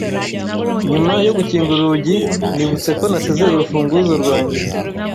Nyuma yo gukinga urugi, nibutse ko nasize urufunguzo rwanjye.